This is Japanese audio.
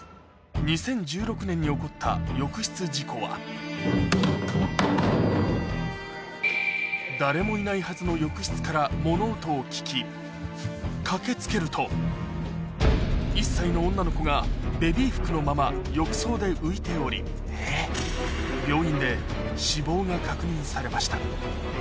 ２０１６年に起こった浴室事故は誰もいないはずの浴室から物音を聞き駆け付けると１歳の女の子がベビー服のまま浴槽で浮いておりが確認されました